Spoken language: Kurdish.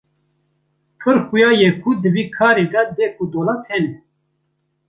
Pir xuya ye ku di vî karî de dek û dolap hene.